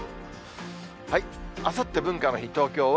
あさって文化の日、東京は